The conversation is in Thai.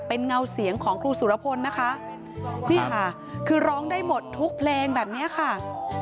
เป็นเงาเสียงของครูสุรพลนะคะนี่ค่ะคือร้องได้หมดทุกเพลงแบบเนี้ยค่ะ